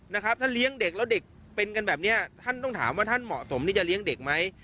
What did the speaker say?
นะครับถ้าเลี้ยงเด็กแล้วเด็กเป็นกันแบบเนี้ยท่านต้องถามว่าท่านเหมาะสมที่จะเลี้ยงเด็กไหม